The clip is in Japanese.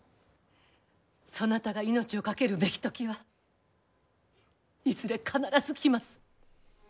そなたが命を懸けるべき時はいずれ必ず来ます。